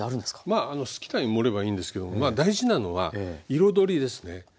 まあ好きなように盛ればいいんですけども大事なのは彩りですね。